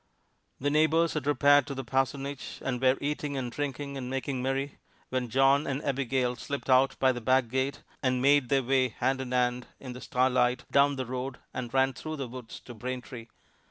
The neighbors had repaired to the parsonage and were eating and drinking and making merry when John and Abigail slipped out by the back gate, and made their way, hand in hand, in the starlight, down the road that ran through the woods to Braintree.